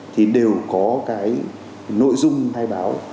thì đều có cái nội dung hay báo